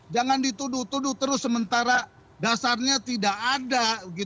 jangan dituduh tuduh terus sementara dasarnya tidak ada